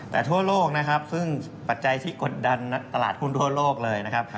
แต่ทั่วโลกนะครับซึ่งปัจจัยที่กดดันตลาดหุ้นทั่วโลกเลยนะครับ